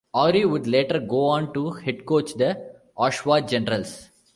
Aurie would later go on to head coach the Oshawa Generals.